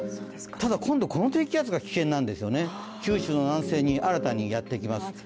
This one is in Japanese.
ただ、今度、この低気圧が危険なんですよね、九州の南西に新たにやってきます。